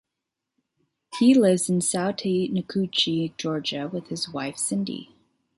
He lives in Sautee Nacoochee, Georgia with his wife Cindy.